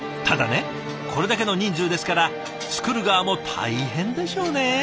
これだけの人数ですから作る側も大変でしょうねえ。